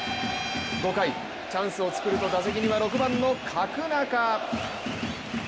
５回、チャンスを作ると打席には６番の角中。